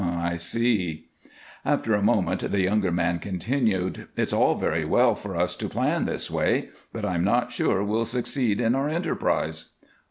"I see." After a moment the younger man continued, "It's all very well for us to plan this way but I'm not sure we'll succeed in our enterprise."